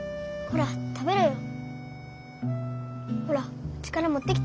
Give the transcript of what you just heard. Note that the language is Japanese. ほら食べろよ。